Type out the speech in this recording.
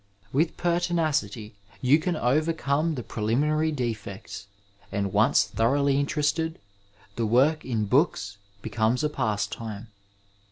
With pertinacity you can oyercome the preliminary delects and once thoroughly interested, the work in books becomes a pastime.